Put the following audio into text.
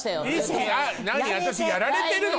私やられてるの？